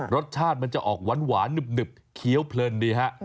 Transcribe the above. รสชาติมันจะออกหวานหนึบเคี้ยวเพลินดีฮะ